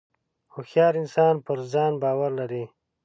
• هوښیار انسان پر ځان باور لري.